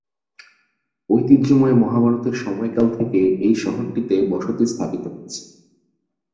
ঐতিহ্যময় মহাভারতের সময়কাল থেকে এই শহরটিতে বসতি স্থাপিত হয়েছে।